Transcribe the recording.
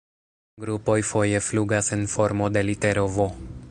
Grupoj foje flugas en formo de litero "V".